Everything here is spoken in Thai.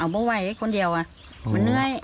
เอาไม่ไหวไอ้คนเดียวอ่ะมันเนื่อย